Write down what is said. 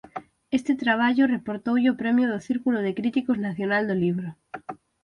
Este traballo reportoulle o premio do Círculo de Críticos Nacional do Libro.